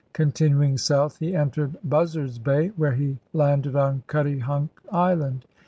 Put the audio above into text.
Continuing south he entered Buzzard's Bay, where he landed on Cutty hunk Island.